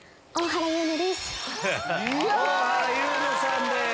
大原優乃さんです。